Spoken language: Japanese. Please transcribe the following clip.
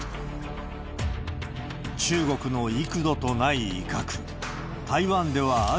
中国の幾度とない威嚇。